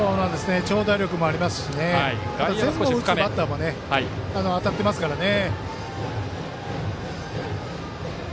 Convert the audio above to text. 長打力もありますし前後を打つバッターが当たっていますからね。